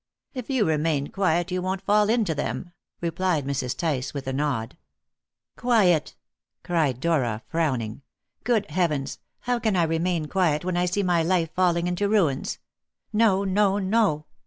"If you remain quiet, you won't fall into them," replied Mrs. Tice with a nod. "Quiet!" cried Dora, frowning. "Good heavens! how can I remain quiet when I see my life falling into ruins? No, no, no!"